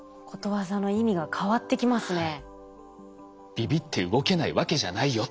びびって動けないわけじゃないよっていう。